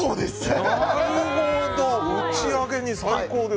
打ち上げに最高だ。